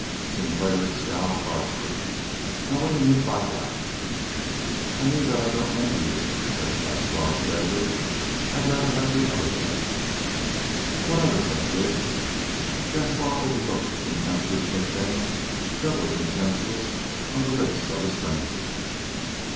Sinclair scowled darkly. "Now what d'you mean by that?" "I mean that I don't envy you," said Gaspar steadily. "I'd rather have the other thing." "What other thing, Jig?" Gaspar overlooked the contemptuous nickname, doubly contemptuous on the lips of a stranger.